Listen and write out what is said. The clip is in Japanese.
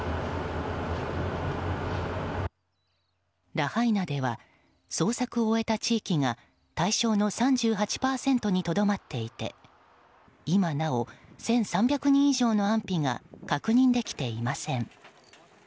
ラハイナでは捜索を終えた地域が対象の３８％にとどまっていて今なお１３００人以上の安否が確認できていません。